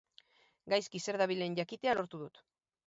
Gaizki zer dabilen jakitea lortuko dut.